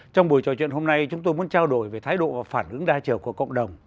trong buổi trò chuyện hôm nay chúng tôi muốn trao đổi về thái độ và phản ứng đa chiều của cộng đồng